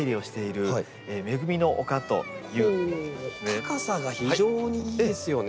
高さが非常にいいですよね。